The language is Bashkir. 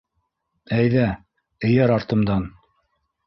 Әйҙә, эйәр артымдан.